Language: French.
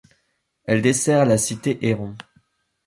Elle dessert la cité Héron.